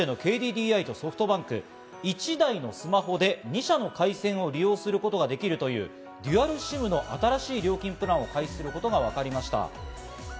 通信大手のＫＤＤＩとソフトバンク、１台のスマホで２社の回線を利用することができるというデュアルＳＩＭの新しい料金プランを開始することがわかりました。